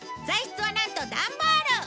材質はなんとダンボール！